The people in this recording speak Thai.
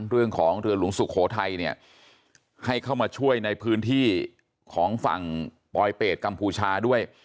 เรื่องของเรือหลวงสุโขทัยเนี่ยให้เข้ามาช่วยในพื้นที่ของฝั่งปลอยเปรตกัมพูชาด้วย